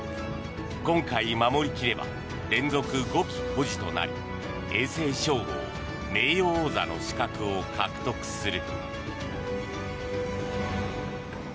今回守り切れば連続５期保持となり永世称号、名誉王座の資格を獲得する。